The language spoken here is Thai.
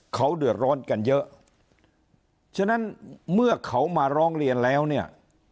เขาเดือดร้อนกันเยอะฉะนั้นเมื่อเขามาร้องเรียนแล้วเนี่ย